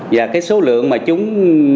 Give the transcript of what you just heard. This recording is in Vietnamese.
và cái số lượng mà chúng